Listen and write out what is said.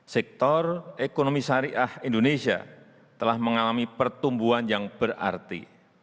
sektor ekonomi syariah indonesia telah mengalami pertumbuhan yang berarti